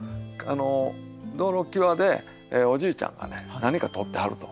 道路際でおじいちゃんが何か採ってはると。